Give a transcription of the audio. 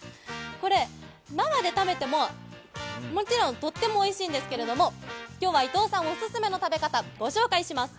これ、生で食べてももちろんとってもおいしいんですけれども今日は伊藤さんオススメの食べ方、ご紹介します。